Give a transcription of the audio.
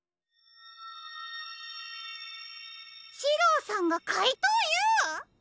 シローさんがかいとうＵ！？